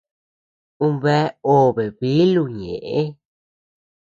Ú bea obe bílu ñeʼe.